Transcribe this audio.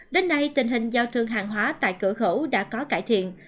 đến nay tình hình giao thương hàng hóa tại cửa khẩu đã có cải thiện